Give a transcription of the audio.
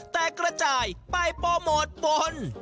แต่กระจายไปโปรโมทบน